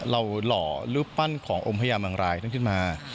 เราหล่อรูปปั้นของอมพญามังรายต้องขึ้นมา